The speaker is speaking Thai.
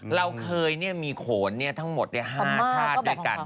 เราเคยเนี่ยมีโขนเนี่ยทั้งหมดในห้าชาติด้วยกัน